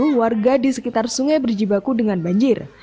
waktu itu warga di sekitar sungai berjibaku dengan banjir